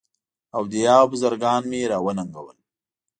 اولیاء او بزرګان مي را وننګول.